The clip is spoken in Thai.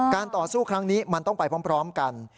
ต่อสู้ครั้งนี้มันต้องไปพร้อมกัน